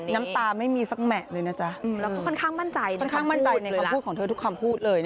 น้ำตาไม่มีสักแมทเลยนะจ๊ะแล้วก็ค่อนข้างมั่นใจนะค่อนข้างมั่นใจในคำพูดของเธอทุกคำพูดเลย